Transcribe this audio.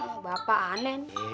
oh bapak aneh nih